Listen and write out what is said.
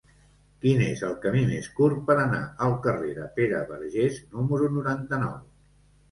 Quin és el camí més curt per anar al carrer de Pere Vergés número noranta-nou?